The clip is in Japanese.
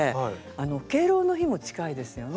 敬老の日も近いですよね。